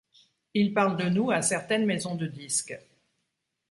Il parle de nous à certaines maisons de disques.